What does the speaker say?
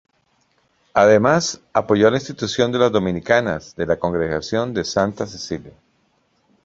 Además, apoyó a la institución de las Dominicas de la Congregación de Santa Cecilia.